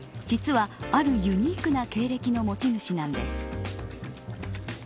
実は、あるユニークな経歴の持ち主なんです。